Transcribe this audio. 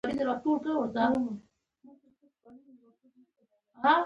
د خدای متشخص تعریف ځینې عوارض هم لري.